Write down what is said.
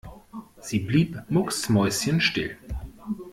Sie blieb mucksmäuschenstill.